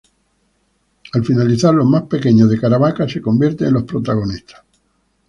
Al finalizar la Eucaristía, los más pequeños de Caravaca se convierten en los protagonistas.